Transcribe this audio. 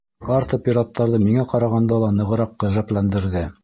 Карта пираттарҙы миңә ҡарағанда ла нығыраҡ ғәжәпләндерҙе.